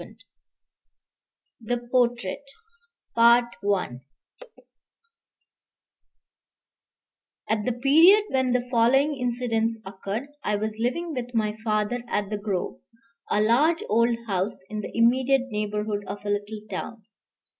II THE PORTRAIT At the period when the following incidents occurred, I was living with my father at The Grove, a large old house in the immediate neighborhood of a little town.